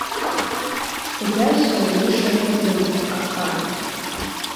Сагьарцәарын уи шарԥазынӡа, аха…